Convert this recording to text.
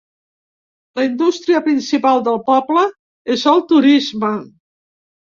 La indústria principal del poble és el turisme.